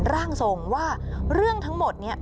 ร่างทรงว่าเรื่องทั้งหมดนี้